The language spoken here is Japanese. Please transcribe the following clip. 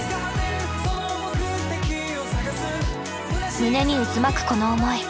胸に渦巻くこの思い。